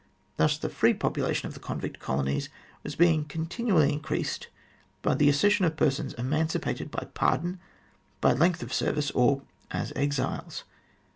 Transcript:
Thus the free population of the convict colonies was being continually increased by the accession of persons emancipated by pardon, by length of service, or as exiles.